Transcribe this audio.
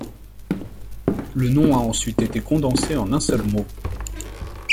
Le nom a ensuite été condensé en un seul mot.